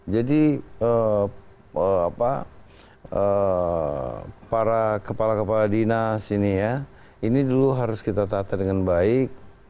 jadi para kepala kepala dinas ini dulu harus kita tata dengan baik